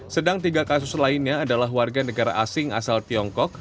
sedang tiga kasus lainnya adalah warga negara asing asal tiongkok